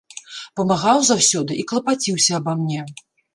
Памагаў заўсёды і клапаціўся аба мне.